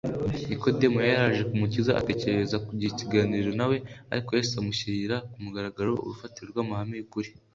Nikodemo yari yaje ku Mukiza atekereza kugirana ikiganiro na we, ariko Yesu amushyirira ku mugaragaro urufatiro rw’amahame y’ukuri